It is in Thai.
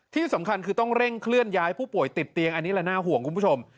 ที่สำคัญคือต้องเร่งเคลื่อนย้ายผู้ป่วยติดเตียงอันนี้แหละน่าห่วงคุณผู้ชม